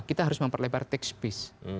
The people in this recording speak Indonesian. kita harus memperlebar tax base